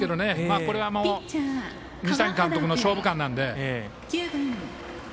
これは西谷監督の勝負勘なので。